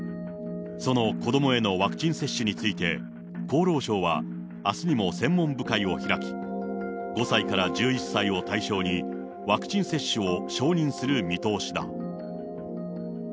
その子どもへのワクチン接種について、厚労省はあすにも専門部会を開き、５歳から１１歳を対象に、ワクチン接種を承認する見通しだ。